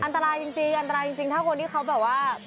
อันตรายจริงถ้าคนนี่เขาแบบว่า